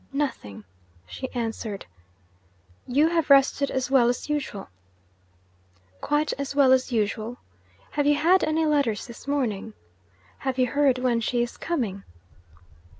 'Nothing,' she answered. 'You have rested as well as usual?' 'Quite as well as usual. Have you had any letters this morning? Have you heard when she is coming?'